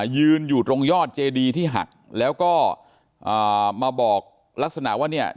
ยืนอยู่ตรงยอดเจดีที่หักแล้วก็มาบอกลักษณะว่าเนี่ย